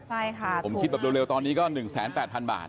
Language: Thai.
หลายคราวผมคิดของเลวจะก็๑๘๐๐๐๐บาท